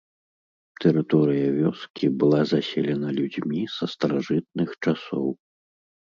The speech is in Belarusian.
Тэрыторыя вёскі была заселена людзьмі са старажытных часоў.